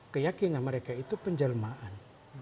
keyakinan mereka itu penjelmaan